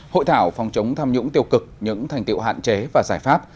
hội thảo phòng chống tham nhũng tiêu cực những thành tiệu hạn chế và giải pháp